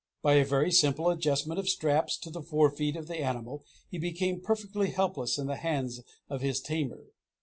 By a very simple adjustment of straps to the forefeet of the animal, he became perfectly helpless in the hands of his tamer.